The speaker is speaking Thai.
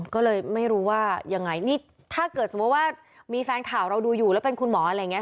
ก็เลยไม่รู้ว่ายังไงนี่ถ้าเกิดสมมุติว่ามีแฟนข่าวเราดูอยู่แล้วเป็นคุณหมออะไรอย่างนี้